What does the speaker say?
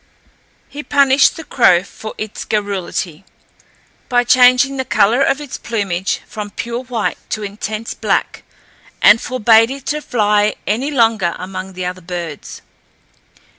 He punished the crow for its garrulity by changing the colour of its plumage from pure white to intense black, and forbade it to fly any longer among the other birds.